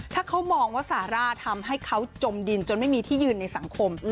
ถ้าเขามองว่าซาร่าทำให้เขาจมดินจนไม่มีที่ยืนในสังคม